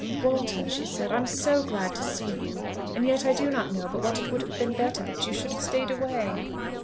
"Walter," she said, "I am so glad to see you! And yet I do not know but what it would have been better that you should have stayed away."